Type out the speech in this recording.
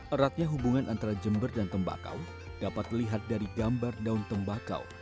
eratnya hubungan antara jember dan tembakau dapat dilihat dari gambar daun tembakau